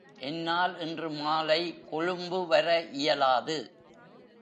என்னால் இன்று மாலை கொழும்புவர இயலாது.